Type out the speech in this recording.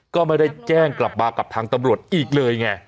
ก็ไม่ได้แจ้งกลับมากับทางตำรวจอีกเลยไง